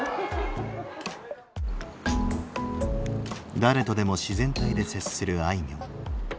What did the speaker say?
誰とでも自然体で接するあいみょん。